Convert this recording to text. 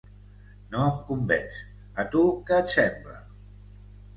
No em convenç, a tu què et sembla?